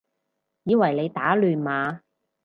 以為你打亂碼